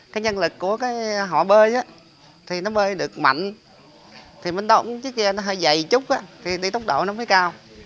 cái nhân lực của cái họ bơi á thì nó bơi được mạnh thì mình động chiếc ghe nó hơi dày chút á thì tốc độ nó mới cao